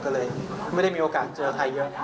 ก็เลยไม่ได้มีโอกาสเจอใครเยอะ